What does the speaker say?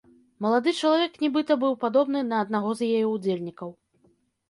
Малады чалавек нібыта быў падобны на аднаго з яе ўдзельнікаў.